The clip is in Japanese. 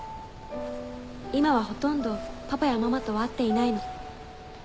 今はほとんどパパやママとは会っていないの。